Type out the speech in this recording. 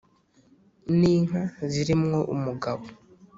n’inka ziri mwo umugabo